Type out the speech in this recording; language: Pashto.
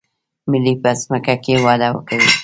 ملی په ځمکه کې وده کوي